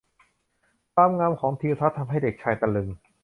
ความงามของทิวทัศน์ทำให้เด็กชายตะลึง